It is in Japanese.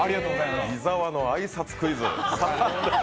伊沢の挨拶クイズ。